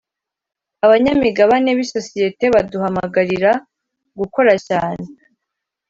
abanyamigabane bisosiyete baduhamagarira gukoracyane.